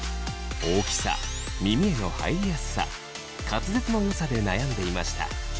大きさ・耳への入りやすさ・滑舌の良さで悩んでいました。